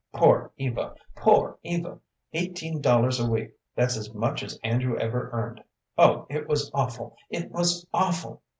Poor Eva, poor Eva! Eighteen dollars a week; that's as much as Andrew ever earned. Oh, it was awful, it was awful!